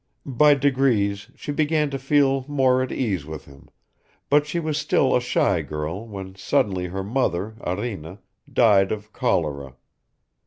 By degrees she began to feel more at ease with him, but she was still a shy girl when suddenly her mother, Arina, died of cholera.